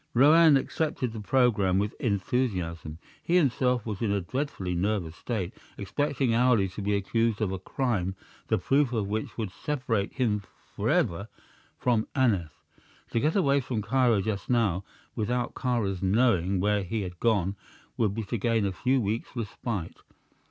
Roane accepted the program with enthusiasm. He himself was in a dreadfully nervous state, expecting hourly to be accused of a crime the proof of which would separate him forever from Aneth. To get away from Cairo just now, without Kāra's knowing where he had gone, would be to gain a few weeks' respite.